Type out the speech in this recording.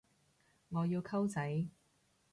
我要溝仔